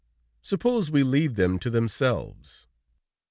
Suppose we leave them to themselves?"